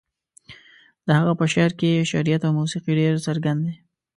د هغه په شعر کې شعريت او موسيقي ډېر څرګند دي.